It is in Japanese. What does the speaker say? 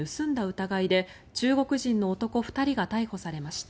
疑いで中国人の男２人が逮捕されました。